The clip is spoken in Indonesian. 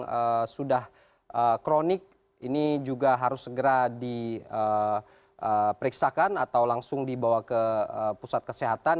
yang sudah kronik ini juga harus segera diperiksakan atau langsung dibawa ke pusat kesehatan